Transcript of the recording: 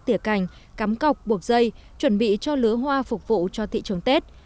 tỉa cành cắm cọc buộc dây chuẩn bị cho lứa hoa phục vụ cho thị trường tết